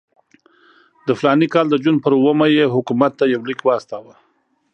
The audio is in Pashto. د فلاني کال د جون پر اوومه یې حکومت ته یو لیک واستاوه.